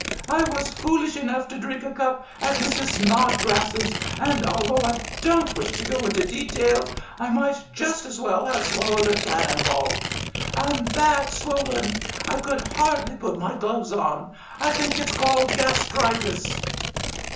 I was foolish enough to drink a cup at Mrs. Snodgrass's; and although I don't wish to go into details, I might just as well have swallowed a cannon ball. I'm that swollen, I could hardly put my gloves on. I think it's called gastritis."